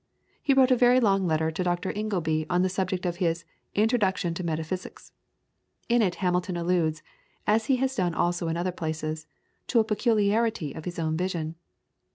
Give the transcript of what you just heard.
He wrote a very long letter to Dr. Ingleby on the subject of his "Introduction to Metaphysics." In it Hamilton alludes, as he has done also in other places, to a peculiarity of his own vision.